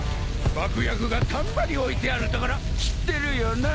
爆薬がたんまり置いてある所知ってるよな？